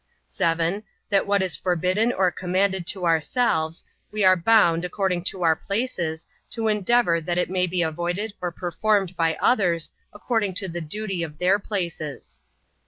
7. That what is forbidden or commanded to ourselves, we are bound, according to our places, to endeavor that it may be avoided or performed by others, according to the duty of their places.